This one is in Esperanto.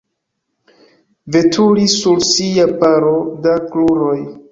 Veturi sur sia paro da kruroj.